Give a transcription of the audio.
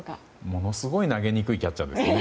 ものすごい投げにくいキャッチャーですね。